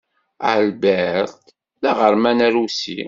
Albert d aɣerman arusi.